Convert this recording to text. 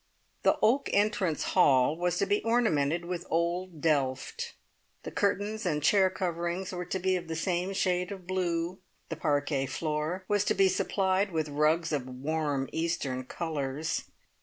The oak entrance hall was to be ornamented with old delft. The curtains and chair coverings were to be of the same shade of blue. The parquet floor was to be supplied with rugs of warm Eastern colours.